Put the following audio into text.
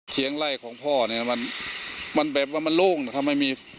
เถียงไล่ของพ่อเนี่ยมันแบบว่ามันโล่งนะคะ